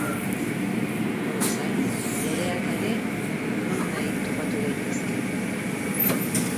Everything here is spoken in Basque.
Horrez gain, loreak ere nonahi topatu daitezke.